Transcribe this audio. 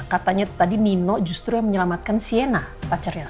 katanya tadi nino justru yang menyelamatkan siena pacarnya